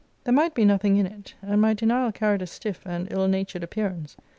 There might be nothing in it; and my denial carried a stiff and ill natured appearance.